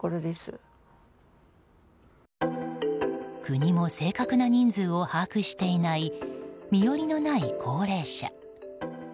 国も正確な人数を把握していない身寄りのない高齢者。